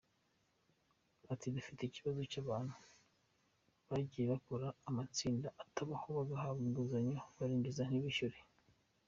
Ati “Dufite ikibazo cy’abantu bagiye bakora amatsinda atabaho bagahabwa inguzanyo barangiza ntibishyure.